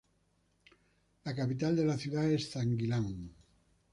La capital es la ciudad de Zəngilan.